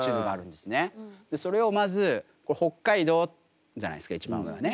それをまず北海道じゃないですか一番上はね。